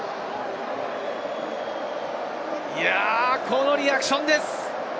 このリアクションです。